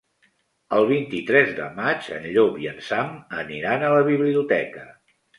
El vint-i-tres de maig en Llop i en Sam aniran a la biblioteca.